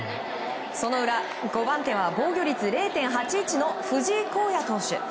その裏、５番手は防御率０．８１の藤井皓哉投手。